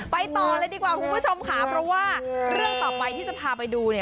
ไปต่อเลยดีกว่าคุณผู้ชมค่ะเพราะว่าเรื่องต่อไปที่จะพาไปดูเนี่ย